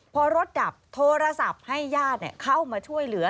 พอรถดับโทรศัพท์ให้ญาติเข้ามาช่วยเหลือ